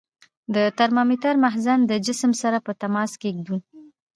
د ترمامتر مخزن د جسم سره په تماس کې ږدو.